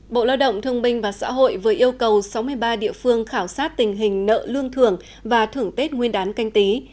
bộ lao động thương binh và xã hội vừa yêu cầu sáu mươi ba địa phương khảo sát tình hình nợ lương thường và thưởng tết nguyên đán canh tí